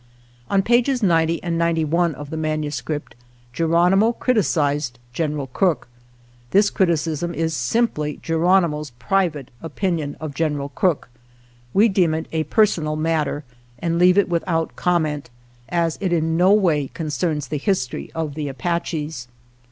On pages ninety and ninety one of the manuscript, Geronimo criticised General Crook. This criticism is simply Geronimo's private opinion of General Crook. We XXV INTRODUCTORY deem it a personal matter and leave it with out comment, as it in no way concerns the history of the Apaches.